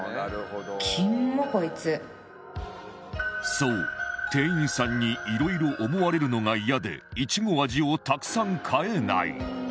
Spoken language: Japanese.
そう店員さんにいろいろ思われるのがイヤでイチゴ味をたくさん買えない